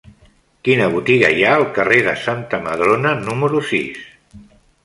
Quina botiga hi ha al carrer de Santa Madrona número sis?